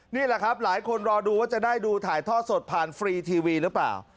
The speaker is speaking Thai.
นี่แหละครับหลายคนรอดูว่าจะได้ดูถ่ายทอดสดผ่านฟรีทีวีหรือเปล่า